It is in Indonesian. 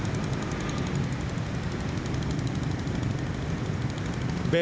tunggu tunggu jangan kemana mana